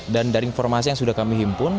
dan dari informasi yang sudah kami himpun